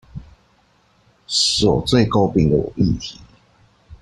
所最詬病的議題